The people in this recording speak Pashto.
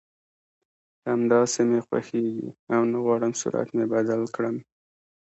همداسې مې خوښېږي او نه غواړم صورت مې بدل کړم